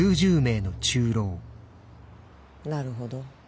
なるほど。